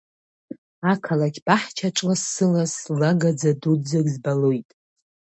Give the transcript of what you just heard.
Ақалақь баҳчаҿ лассы-ласс, ла гаӡа дуӡӡак збалоит…